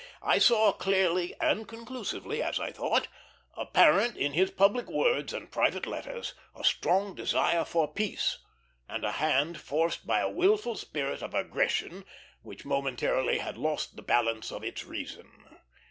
I saw clearly and conclusively, as I thought, apparent in his public words and private letters, a strong desire for peace, and a hand forced by a wilful spirit of aggression which momentarily had lost the balance of its reason.